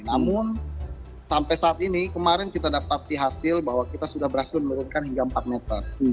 namun sampai saat ini kemarin kita dapat dihasil bahwa kita sudah berhasil menurunkan hingga empat meter